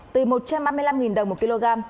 từ một trăm ba mươi năm đồng một kg